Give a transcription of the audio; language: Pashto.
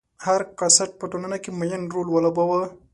هر کاسټ په ټولنه کې معین رول ولوباوه.